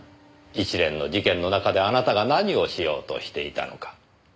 一連の事件の中であなたが何をしようとしていたのか。